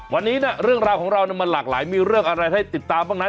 วันนี้เรื่องราวของเรามันหลากหลายมีเรื่องอะไรให้ติดตามบ้างนั้น